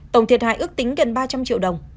tổng thiệt hại ước tính gần ba trăm linh triệu đồng